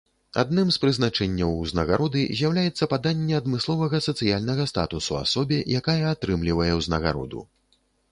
Адным з прызначэнняў узнагароды з'яўляецца паданне адмысловага сацыяльнага статусу асобе, якая атрымлівае ўзнагароду.